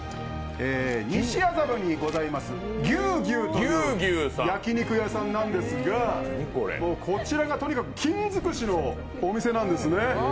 西麻布にございます牛牛という焼き肉屋さんなんですがこちらがとにかく金尽くしのお店なんですね。